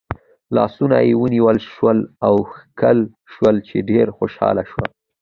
لاسونه یې ونیول شول او ښکل شول چې ډېره خوشحاله شوه.